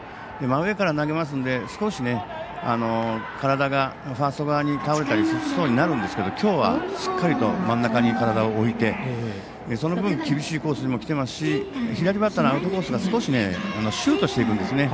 真上から投げますので少し体がファースト側に倒れたりしそうになるんですけどきょうは、しっかりと真ん中に体を置いて、その分厳しいコースにもきていますし左バッターのアウトコースが少し、シュートしていくんです。